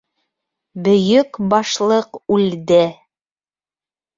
Бөйөк Башлыҡ үлде!..